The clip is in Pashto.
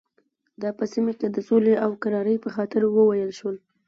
دا په سیمه کې د سولې او کرارۍ په خاطر وویل شول.